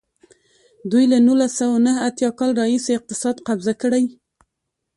دوی له نولس سوه نهه اتیا کال راهیسې اقتصاد قبضه کړی.